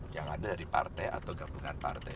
yang ada dari partai atau gabungan partai